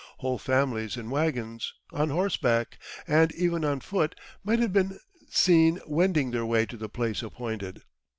Whole families, in waggons, on horseback, and even on foot, might have been seen wending their way to the place appointed.